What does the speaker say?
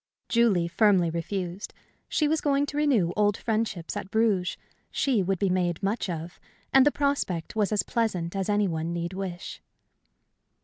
Julie firmly refused. She was going to renew old friendships at Bruges; she would be made much of; and the prospect was as pleasant as any one need wish.